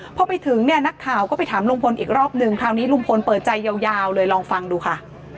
พอไปถึงเนี่ยนักข่าวก็ไปถามลุงพลอีกรอบนึงคราวนี้ลุงพลเปิดใจยาวเลยลองฟังดูค่ะ